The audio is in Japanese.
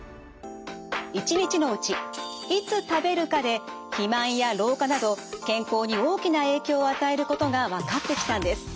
一日のうちいつ食べるかで肥満や老化など健康に大きな影響を与えることが分かってきたんです。